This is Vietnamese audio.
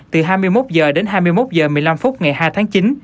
từ hai mươi một h đến hai mươi một h một mươi năm phút ngày hai tháng chín